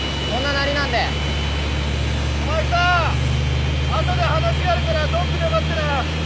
お前さ後で話があるからドックで待ってな。